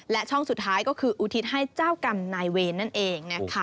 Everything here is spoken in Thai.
และช่องสุดท้ายก็คืออุทิศให้เจ้ากรรมนายเวรนั่นเองนะคะ